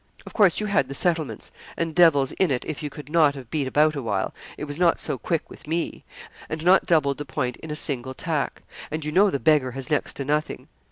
Of course, you had the settlements, and devil's in it if you could not have beat about a while it was not so quick with me and not doubled the point in a single tack; and you know the beggar has next to nothing.